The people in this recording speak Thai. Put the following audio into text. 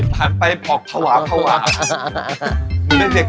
ตั้งแต่ย้อมผมแดงนี่เธอ